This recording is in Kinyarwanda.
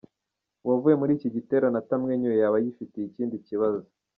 Uwavuye muri iki giterane atamwenyuye yaba yifitiye ikindi kibazo,.